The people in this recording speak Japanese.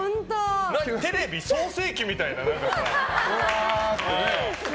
テレビ創世記みたいなね。